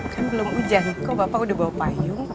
kan belum hujan kok bapak udah bawa payung